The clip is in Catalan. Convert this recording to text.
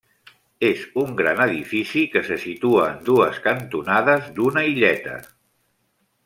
És un gran edifici, que se situa en dues cantonades d'una illeta.